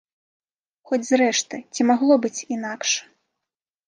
Хоць зрэшты, ці магло быць інакш?